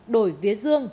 đổi vía dương